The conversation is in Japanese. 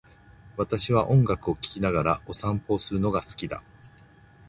私は音楽を聴きながらお散歩をするのが好きだ。